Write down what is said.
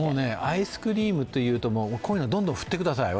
アイスクリームというと私にどんどん振ってください。